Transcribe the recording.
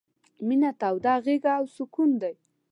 — مينه توده غېږه او سکون دی...